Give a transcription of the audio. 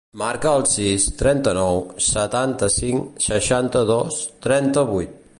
Marca el sis, trenta-nou, setanta-cinc, seixanta-dos, trenta-vuit.